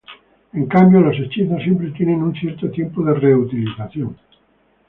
En cambio, los hechizos siempre tienen un cierto tiempo de reutilización.